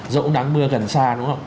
dẫu nắng mưa gần xa